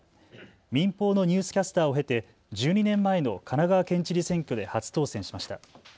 民放のニュースキャスターを経て１２年前の神奈川県知事選挙で初当選しました。